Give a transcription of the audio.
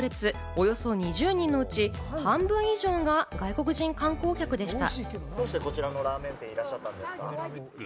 およそ２０人のうち、半分以上が外国人観光客でした。